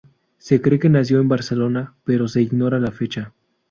Se cree que nació en Barcelona, pero se ignora la fecha.